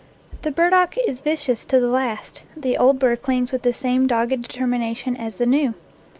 The burdock is vicious to the last, the old burr clings with the same dogged determination as the new.